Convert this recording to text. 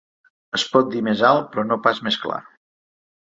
Es pot dir més alt, però no pas més clar.